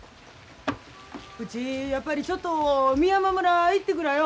うちやっぱりちょっと美山村行ってくらよ。